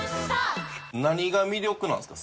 何が魅力なんですか？